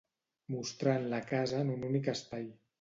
mostrant la casa en un únic espai